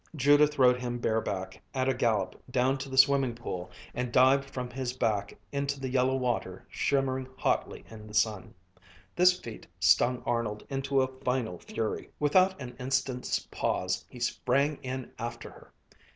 Judith rode him bareback at a gallop down to the swimming pool and dived from his back into the yellow water shimmering hotly in the sun. This feat stung Arnold into a final fury. Without an instant's pause he sprang in after her.